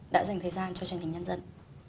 đã dành thời gian cho truyền hình nhân dân